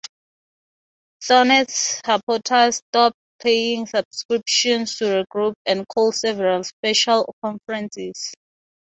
Thornett's supporters stopped paying subscriptions to the group and called several special conferences.